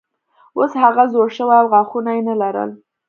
اوس هغه زوړ شوی و او غاښونه یې نه لرل.